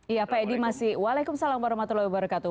iya pak edi masih walaikum salam warahmatullahi wabarakatuh